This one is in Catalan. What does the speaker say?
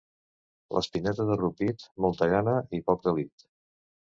L'Espineta de Rupit, molta gana i poc delit.